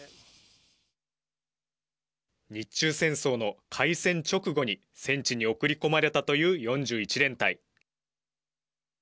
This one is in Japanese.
日中戦争の開戦直後に戦地に送り込まれたという４１連隊。